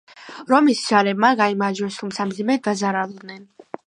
რომის ჯარებმა გაიმარჯვეს, თუმცა მძიმედ დაზარალდნენ.